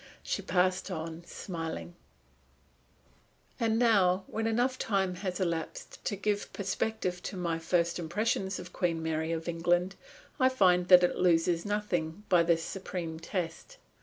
She passed on, smiling. And now, when enough time has elapsed to give perspective to my first impression of Queen Mary of England, I find that it loses nothing by this supreme test.